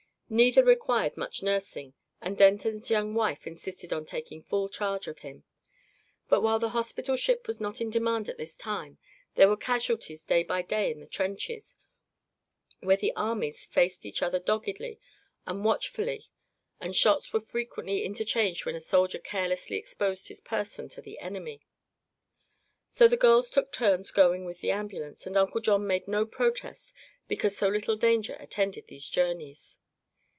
Neither required much nursing, and Denton's young wife insisted on taking full charge of him. But while the hospital ship was not in demand at this time there were casualties day by day in the trenches, where the armies faced each other doggedly and watchfully and shots were frequently interchanged when a soldier carelessly exposed his person to the enemy. So the girls took turns going with the ambulance, and Uncle John made no protest because so little danger attended these journeys.